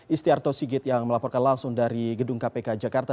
istiarto sigit yang melaporkan langsung dari gedung kpk jakarta